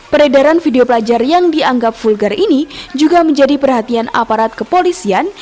peredaran video pelajar yang dianggap vulgar ini juga menjadi perhatian aparat kepolisian